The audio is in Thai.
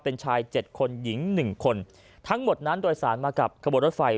เป็นชายเจ็ดคนหญิงหนึ่งคนทั้งหมดนั้นโดยสารมากับขบวนรถไฟ